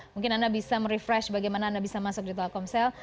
mungkin anda bisa merefresh bagaimana anda bisa masuk di telkomsel